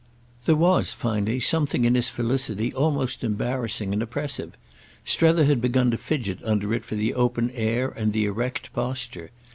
There was finally something in his felicity almost embarrassing and oppressive—Strether had begun to fidget under it for the open air and the erect posture.